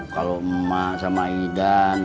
kalau emas sama idan